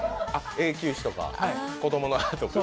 永久歯とか、子供の歯とか？